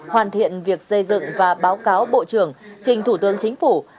hoàn thiện việc xây dựng và báo cáo bộ trưởng trình thủ tướng chính phủ